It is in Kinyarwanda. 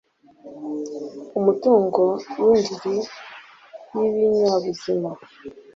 umutungo w indiri y ibinyabuzima